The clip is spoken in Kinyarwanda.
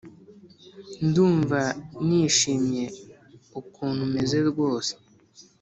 ndumva nishimye ukuntu umeze rwose